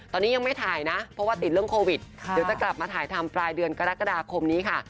ตอนนี้ยังไม่ถ่ายนะเพราะว่าติดเรื่องโควิดเดี๋ยวจะกลับมาถ่ายทำปลายเดือนกรกฎาคมนี้ค่ะ